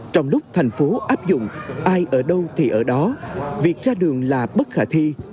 trong lúc thành phố áp dụng ai ở đâu thì ở đó việc ra đường là bất khả thi